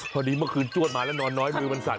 เมื่อคืนจ้วนมาแล้วนอนน้อยมือมันสั่น